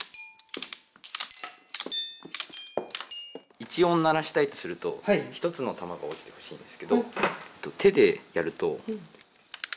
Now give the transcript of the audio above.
一音鳴らしたいとすると一つの玉が落ちてほしいんですけど手でやると。